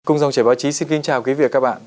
cùng dòng chảy báo chí xin kính chào quý vị và các bạn